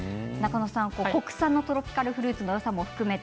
国産のトロピカルフルーツのよさも含めて